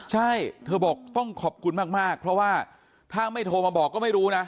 ใช่เธอบอกต้องขอบคุณมากเพราะว่าถ้าไม่โทรมาบอกก็ไม่รู้นะ